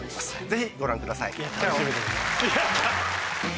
ぜひご覧くださいチャオ。